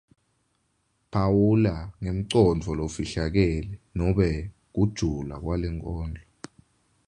Phawula ngemcondvo lofihlakele nobe kujula kwalenkondlo.